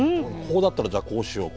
こうだったらじゃあこうしよう。